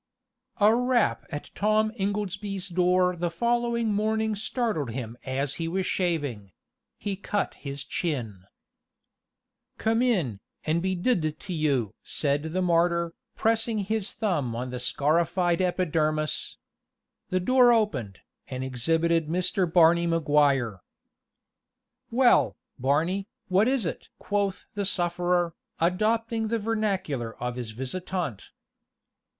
A rap at Tom Ingoldsby's door the following morning startled him as he was shaving he cut his chin. "Come in, and be d d to you!" said the martyr, pressing his thumb on the scarified epidermis. The door opened, and exhibited Mr. Barney Maguire. "Well, Barney, what is it?" quoth the sufferer, adopting the vernacular of his visitant.